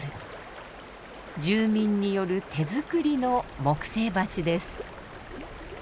住民による手作りの木製橋です。